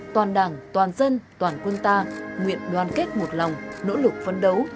toàn đảng toàn dân toàn quân ta nguyện đoàn kết một lòng nỗ lực phấn đấu